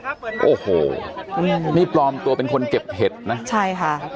เปิดทางโอ้โหอืมนี่ปลอมตัวเป็นคนเก็บเห็ดนะใช่ค่ะ